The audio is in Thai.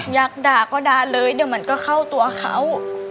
อยากด่าก็ด่าเลยเดี๋ยวมันก็เข้าตัวเขา